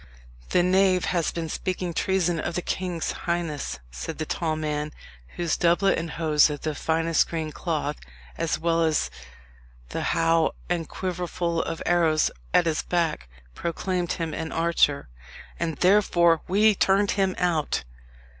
"The knave has been speaking treason of the king's highness," said the tall man, whose doublet and hose of the finest green cloth, as well as the how and quiverful of arrows at his back, proclaimed him an archer "and therefore we turned him out!"